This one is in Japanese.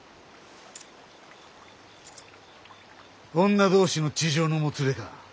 女同士の痴情のもつれか。